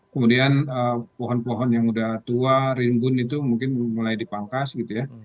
kemudian pohon pohon yang udah tua rimbun itu mungkin mulai dipangkas gitu ya